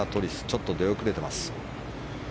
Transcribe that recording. ちょっと出遅れてます。